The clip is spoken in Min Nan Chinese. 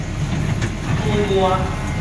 梓官